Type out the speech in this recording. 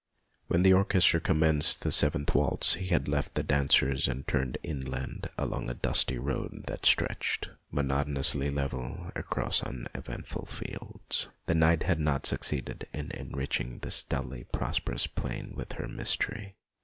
When the orchestra commenced the seventh waltz he left the dancers and turned inland along a dusty road that stretched, monotonously level, across un eventful fields. The night had not succeeded in enriching this dully prosperous plain with her mystery.